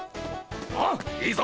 ああいいぞ！